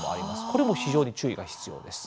これも非常に注意が必要です。